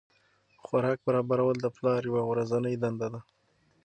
خوراک برابرول د پلار یوه ورځنۍ دنده ده.